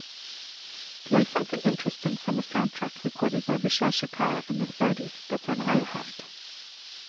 Play something interesting from a soundtrack recorded by Vishal-shekhar in the thirties that's on Iheart